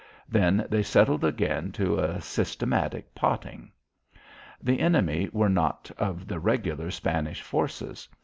Then they settled again to a systematic potting. The enemy were not of the regular Spanish forces.